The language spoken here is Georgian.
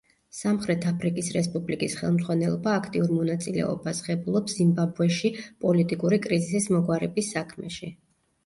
სამხრეთ აფრიკის რესპუბლიკის ხელმძღვანელობა აქტიურ მონაწილეობას ღებულობს ზიმბაბვეში პოლიტიკური კრიზისის მოგვარების საქმეში.